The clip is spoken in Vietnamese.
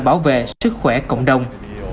bảo vệ sức khỏe cộng đồng